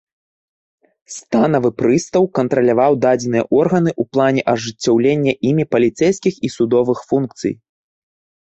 Станавы прыстаў кантраляваў дадзеныя органы ў плане ажыццяўлення імі паліцэйскіх і судовых функцый.